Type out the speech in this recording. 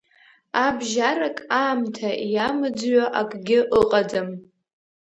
Абжьарак, аамҭа иамыӡҩо акгьы ыҟаӡам.